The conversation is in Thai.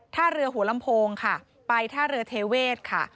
ท่าเรือหัวลำโพงค่ะไปท่าเรือเทเวศค่ะ